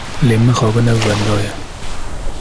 Lê mixabin ew wenda ye.